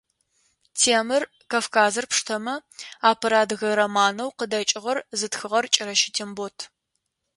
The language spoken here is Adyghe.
Темыр Кавказыр пштэмэ, апэрэ адыгэ романэу къыдэкӏыгъэр зытхыгъэр Кӏэрэщэ Тембот.